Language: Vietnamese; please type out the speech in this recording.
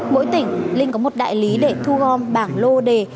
mỗi tỉnh linh có một đại lý để thu gom bảng lô đề